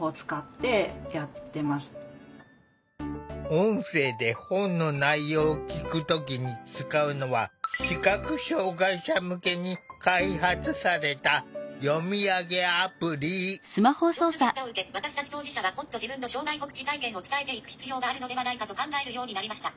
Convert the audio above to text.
音声で本の内容を聞く時に使うのは視覚障害者向けに開発された「調査結果を受け私たち当事者はもっと自分の障害告知体験を伝えていく必要があるのではないかと考えるようになりました」。